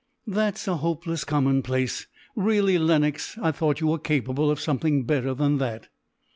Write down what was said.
"That's a hopeless commonplace! Really, Lenox, I thought you were capable of something better than that."